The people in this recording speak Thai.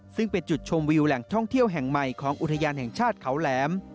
ซึ่งเป็นจุดชมวิวแหล่งท่องเที่ยวแห่งใหม่ของอุทยานแห่งชาติเขาแหลม